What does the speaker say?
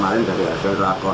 mulai dari solo sampai besok